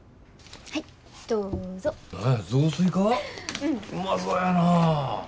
うまそやな。